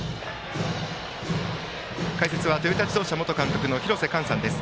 解説はトヨタ自動車元監督の廣瀬寛さんです。